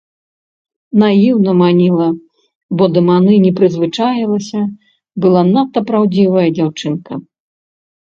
Наіўна маніла, бо да маны не прызвычаілася, была надта праўдзівая дзяўчынка.